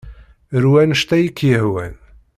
Ru anect ay ak-yehwan.